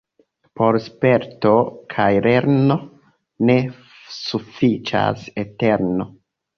Por sperto kaj lerno ne sufiĉas eterno.